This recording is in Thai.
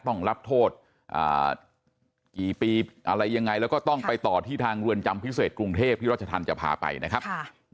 ต้องรับโทษกี่ปีอะไรยังไงแล้วก็ต้องไปต่อที่ทางเรือนจำพิเศษกรุงเทพที่รัชธรรมจะพาไปนะครับ